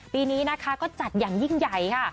ปีนี้นะคะก็จัดอย่างยิ่งใหญ่ค่ะ